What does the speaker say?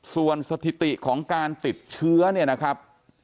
ส่วนสถิติของการติดเชื้อเนี่ยนะครับ